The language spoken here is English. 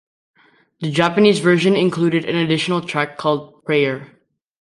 The Japanese version included an additional track called "Prayer".